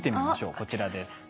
こちらです。